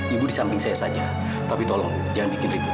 ibu di samping saya saja tapi tolong jangan bikin ibu